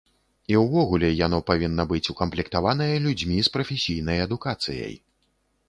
І ўвогуле яно павінна быць укамплектаванае людзьмі з прафесійнай адукацыяй.